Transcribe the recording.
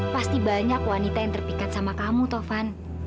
pasti banyak wanita yang terpikat sama kamu tovan